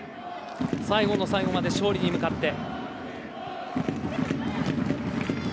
最後の最後まで勝利に向かって。